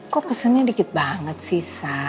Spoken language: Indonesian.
kok pesennya dikit banget sih so